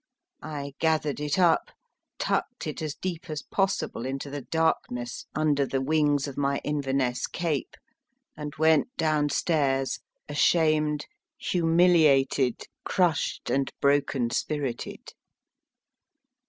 I gathered it up, tucked it as deep as possible into the darkness, under the wings of my Inverness cape, and went downstairs ashamed, humiliated, I LEFT IT MY FIRST BOOK crushed, and broken spirited.